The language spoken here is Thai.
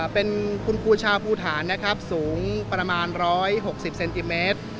เป็นคุณครูชาภูฐานนะครับสูงประมาณ๑๖๐เซนติเมตร